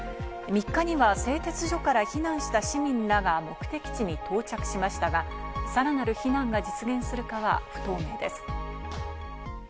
３日には製鉄所から避難した市民らが目的地に到着しましたが、さらなる避難が実現するかは不透明です。